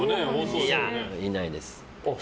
いや、いないです。